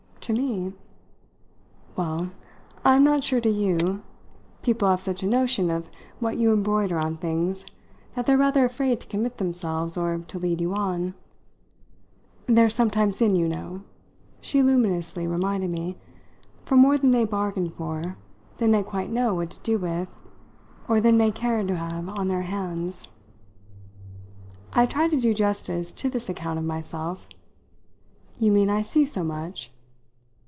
"To me?" "Well, I'm not sure to you; people have such a notion of what you embroider on things that they're rather afraid to commit themselves or to lead you on: they're sometimes in, you know," she luminously reminded me, "for more than they bargain for, than they quite know what to do with, or than they care to have on their hands." I tried to do justice to this account of myself. "You mean I see so much?"